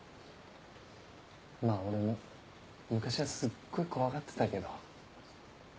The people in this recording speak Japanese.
まぁ俺も昔はすっごい怖がってたけど。